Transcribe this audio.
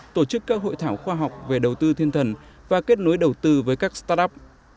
tổ chức các hội thảo khoa học về đầu tư thiên thần và kết nối đầu tư với các start up